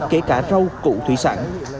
kể cả rau củ thủy sản